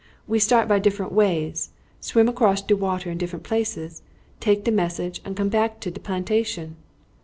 We start by different ways, swim across de water in different places, take de message, and come back to de plantation."